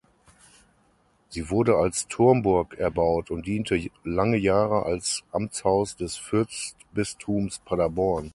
Sie wurde als Turmburg erbaut und diente lange Jahre als Amtshaus des Fürstbistums Paderborn.